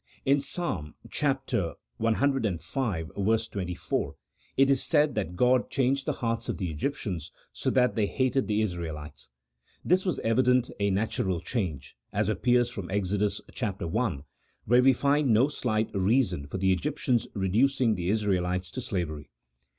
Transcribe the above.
In Psalm cv. 24 it is said that God changed the hearts of the Egyptians, so that they hated the Israelites. This was evidently a natural change, as appears from Exodus,, chap, i., where we find no slight reason for the Egyptians, reducing the Israelites to slavery.